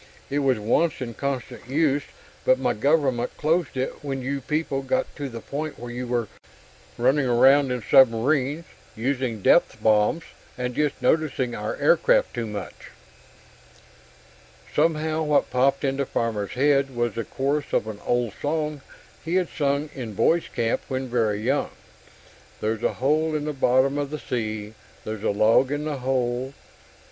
It was once in constant use, but my government closed it when you people got to the point where you were running around in submarines, using depth bombs, and just noticing our aircraft too much." Somehow, what popped into Farmer's head was the chorus of an old song he had sung in boy's camp when very young. "_There's a hole in the bottom of the sea! There's a log in the hole....